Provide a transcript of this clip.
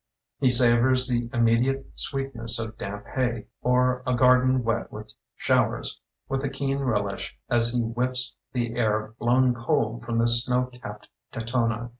He savors the immediate sweetness of damp hay, or a garden wet with show ers, with as keen relish as he whiffs the air blown cold from the snow capped Tetons.'